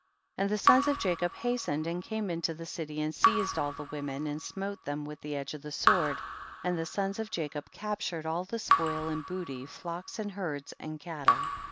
12. And the sons of Jacob hasten ed and came into the city and seized all the women and smote them with the edge of the sword, and the sons of Jacob captured all the spoil and booty, flocks and herds and cattle.